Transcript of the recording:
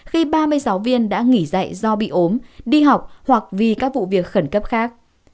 khi ba mươi giáo viên đã nghỉ dạy do bị ốm đi học hoặc vì các vụ việc khẩn cấp khác